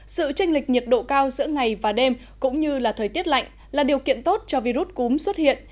sự tranh lệch nhiệt độ cao giữa ngày và đêm cũng như là thời tiết lạnh là điều kiện tốt cho virus cúm xuất hiện